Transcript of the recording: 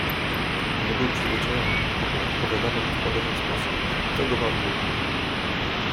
"Nie był przyzwyczajony, aby odpowiadano mu w podobny sposób i to go bawiło."